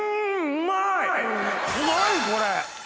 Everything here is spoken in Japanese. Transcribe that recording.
うまいこれ！